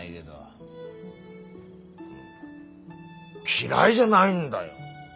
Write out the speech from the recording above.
嫌いじゃないんだよ